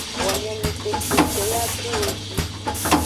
Wo nyomesoso ce yi ado wo ji.